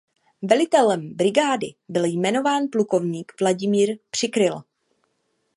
Velitelem brigády byl jmenován plukovník Vladimír Přikryl.